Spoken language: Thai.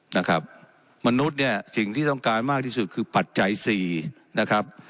นะครับมนุษย์เนี่ยสิ่งที่ต้องการมากที่สุดคือปัจจัยสี่นะครับ